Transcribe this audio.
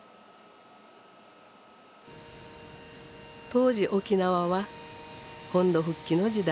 当時沖縄は本土復帰の時代。